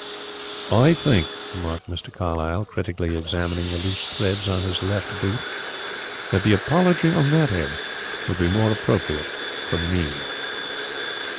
"I think," remarked Mr. Carlyle, critically examining the loose threads on his left boot, "that the apology on that head would be more appropriate from me."